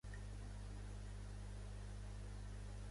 Està a prop de les muntanyes Shinkay i Ata Ghar.